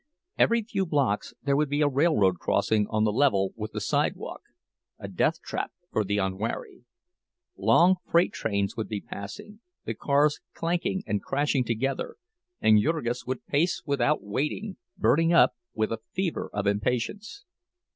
Every few blocks there would be a railroad crossing on the level with the sidewalk, a deathtrap for the unwary; long freight trains would be passing, the cars clanking and crashing together, and Jurgis would pace about waiting, burning up with a fever of impatience.